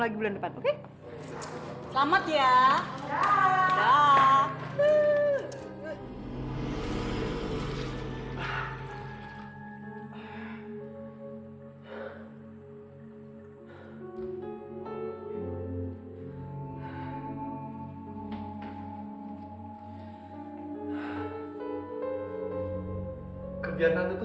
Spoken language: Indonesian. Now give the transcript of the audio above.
gue gak tahan pak